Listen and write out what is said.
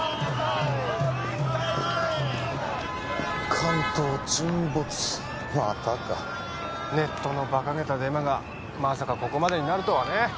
関東沈没またかネットのバカげたデマがまさかここまでになるとはね